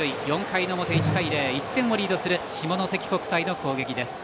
４回の表、１対０１点をリードする下関国際の攻撃。